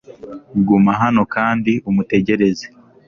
guma hano kandi umutegereze